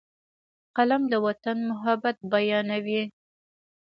قلم د وطن محبت بیانوي